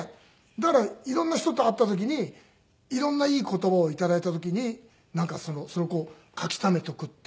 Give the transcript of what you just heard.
だから色んな人と会った時に色んないい言葉を頂いた時になんかそれをこう書きためておくっていう。